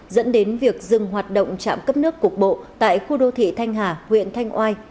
dẫn đến việc dừng hoạt động trạm cấp nước cục bộ tại khu đô thị thanh hà huyện thanh oai